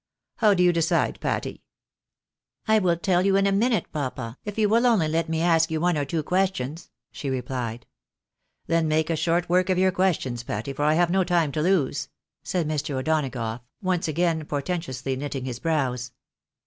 How do you decide, Patty ?"" I will tell you in a minute, papa, if you will only let me ask you one or two questions," she replied. " Then make short work of your questions, Patty, for I have no time to lose," said Mr. O'Donagough, once again portentously knitting his brows.